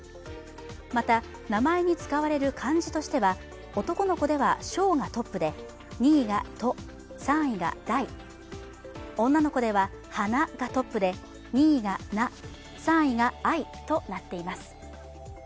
また名前に使われる漢字としては男の子では「翔」がトップで２位が「斗」３位が「大」女の子では「花」がトップで２位が「菜」３位が「愛」となっています。